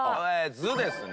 「ズ」ですね。